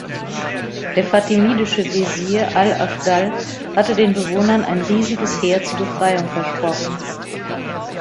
Der fatimidische Wesir al-Afdal hatte den Bewohnern ein riesiges Heer zur Befreiung versprochen.